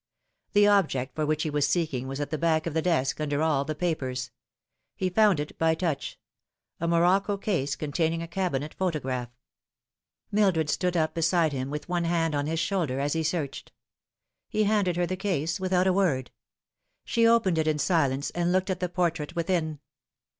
The object for which he was seeking was at the back of the desk, under all the papers. He found it by touch : a morocco case containing a cabinet photograph. Mildred stood up beside him, with one hand on his shoulder as he searched. He handed her the case without a word. She opened it in silence and looked at the portrait within.